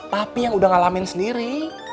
tapi yang udah ngalamin sendiri